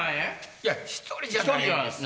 いや１人じゃないですよ。